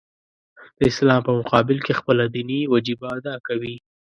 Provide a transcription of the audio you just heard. د اسلام په مقابل کې خپله دیني وجیبه ادا کوي.